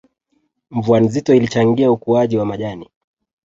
Mvua nzito ilichangia ukuaji wa majani